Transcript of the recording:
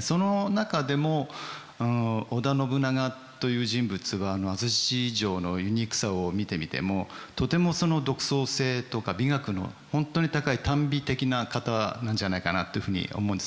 その中でも織田信長という人物は安土城のユニークさを見てみてもとても独創性とか美学の本当に高いたん美的な方なんじゃないかなというふうに思うんですね。